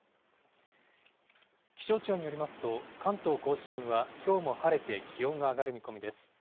気象庁によりますと、関東甲信はきょうも晴れて気温が上がる見込みです。